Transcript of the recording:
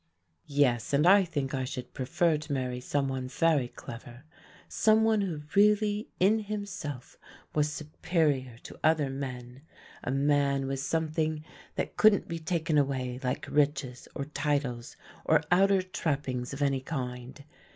"Yes, and I think I should prefer to marry some one very clever, some one who really in himself was superior to other men, a man with something that couldn't be taken away like riches or titles or outer trappings of any kind.